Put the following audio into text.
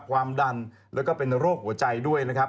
ความดันแล้วก็เป็นโรคหัวใจด้วยนะครับ